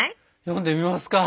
読んでみますか。